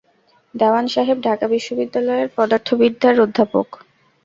দেওয়ান সাহেব ঢাকা বিশ্ববিদ্যালয়ের পদার্থবিদ্যার অধ্যাপক।